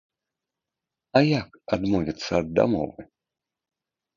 А як адмовіцца ад дамовы?